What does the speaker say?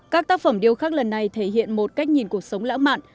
các tác phẩm điêu khắc lần này thể hiện một cách nhìn cuộc sống lã mạn